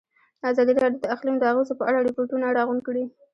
ازادي راډیو د اقلیم د اغېزو په اړه ریپوټونه راغونډ کړي.